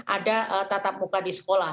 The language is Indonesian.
ada tatap muka di sekolah